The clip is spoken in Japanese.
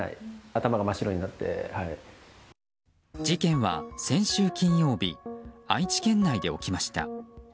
事件は先週金曜日愛知県内で起きました。